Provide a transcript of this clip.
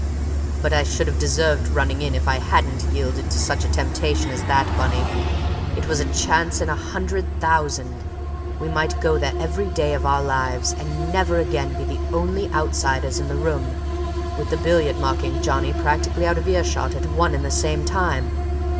"But I should have deserved running in if I hadn't yielded to such a temptation as that, Bunny. It was a chance in a hundred thousand! We might go there every day of our lives, and never again be the only outsiders in the room, with the billiard marking Johnnie practically out of ear shot at one and the same time.